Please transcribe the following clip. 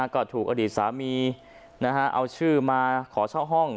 ก็ถูกอดีตสามีเอาชื่อมาขอเช่าห้อง